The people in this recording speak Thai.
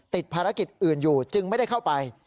ติดภารกิจอื่นอยู่จึงไม่ได้เข้าไป